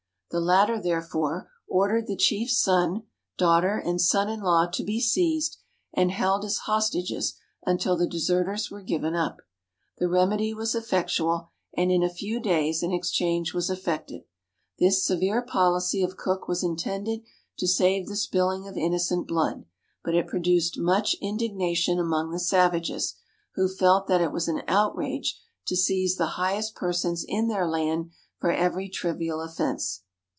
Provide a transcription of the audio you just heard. The latter, therefore, ordered the chief's son, daughter, and son in law to be seized, and held as hostages until the deserters were given up. The remedy was effectual, and in a few days an exchange was effected. This severe policy of Cook was intended to save the spilling of innocent blood; but it produced 512 THE LAST VOYAGE OF CAPTAIN COOK much indignation among the savages, who felt that it was an outrage to seize the highest persons in their land for every trivial offense.